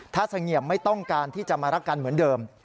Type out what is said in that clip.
ถ้าเสงี่ยมไม่ต้องการที่จะมารักกันเหมือนเดิม